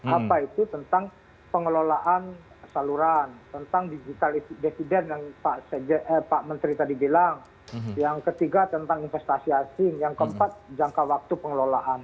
apa itu tentang pengelolaan saluran tentang digital dividend yang pak menteri tadi bilang yang ketiga tentang investasi asing yang keempat jangka waktu pengelolaan